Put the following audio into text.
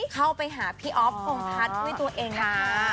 เข้าไปหาพี่อ๊อฟพงพัฒน์ด้วยตัวเองค่ะ